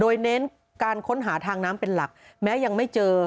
โดยเน้นการค้นหาทางน้ำเป็นหลักแม้ยังไม่เจอ